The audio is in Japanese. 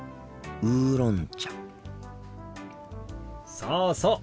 そうそう。